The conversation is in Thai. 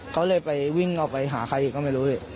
เขาเลยไปวิ่งออกไปหาใครอีกก็ไม่รู้